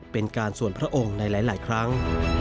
เป็นการส่วนพระองค์ในหลายครั้ง